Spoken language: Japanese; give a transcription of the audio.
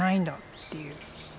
っていう